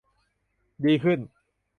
ดีขึ้น